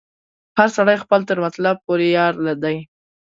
هر سړی خپل تر مطلبه پوري یار دی